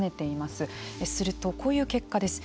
するとこういう結果です。